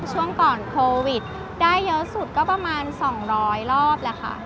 ช่วงก่อนโควิดได้เยอะสุดก็ประมาณ๒๐๐รอบแหละค่ะ